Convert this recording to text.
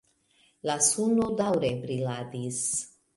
La suno daŭre briladis.